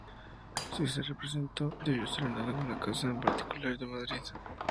Si se representó, debió ser en alguna casa particular de Madrid.